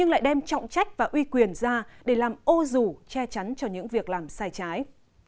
lại đem trọng trách và uy quyền ra để làm ô rủ che chắn cho những việc làm sai trái